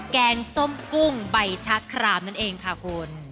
แกงส้มกุ้งใบชะครามนั่นเองค่ะคุณ